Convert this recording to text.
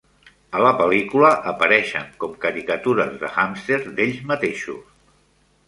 A la pel·lícula, apareixen com caricatures de hàmster d'ells mateixos.